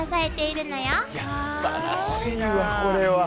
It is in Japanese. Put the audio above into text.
いやすばらしいわこれは。